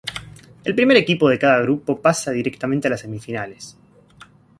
El primer equipo de cada grupo pasa directamente a las semifinales.